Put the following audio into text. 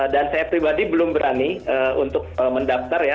dan saya pribadi belum berani untuk mendaftar ya